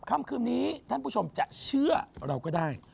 คำคืนนี้ท่านผู้ชมจะเชื่อเราก็ได้